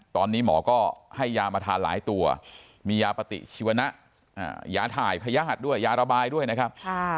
ตอนนี้หมอก็ให้ยามาทานหลายตัวมียาปฏิชีวนะยาถ่ายพญาติด้วยยาระบายด้วยนะครับ